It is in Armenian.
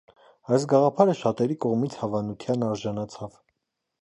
Այս գաղափարը շատերի կողմից հավանության արժանացավ։